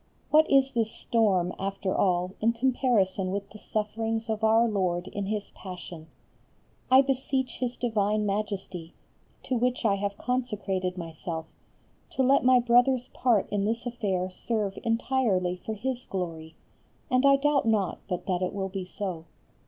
What is this storm after all in comparison with the sufferings of Our Lord in His Passion? I beseech His divine Majesty, to which I have consecrated myself, to let my brother's part in this affair serve entirely for His glory, and I doubt not but that it will be so.